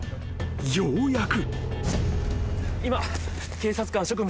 ようやく］